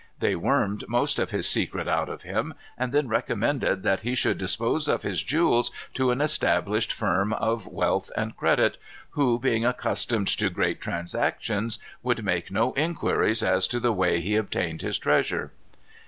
They wormed most of his secrets out of him, and then recommended that he should dispose of his jewels to an established firm of wealth and credit, who, being accustomed to great transactions, would make no inquiries as to the way he obtained his treasure.